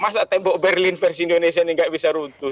masa tembok berlin versi indonesia ini nggak bisa runtuh